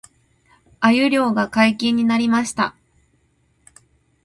鮎漁が解禁になりました